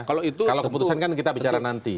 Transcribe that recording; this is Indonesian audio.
kalau keputusan kan kita bicara nanti